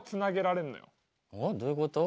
どういうこと？